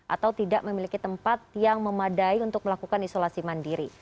atau tidak memiliki tempat yang memadai untuk melakukan isolasi mandiri